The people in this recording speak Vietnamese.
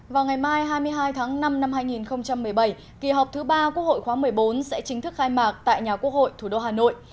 vào ngày mai hai mươi hai tháng năm năm hai nghìn một mươi bảy kỳ họp thứ ba quốc hội khóa một mươi bốn sẽ chính thức khai mạc tại nhà quốc hội thủ đô hà nội